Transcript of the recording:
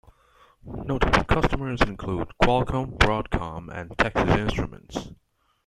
Notable customers include Qualcomm, Broadcom, and Texas Instruments.